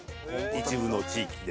一部の地域で。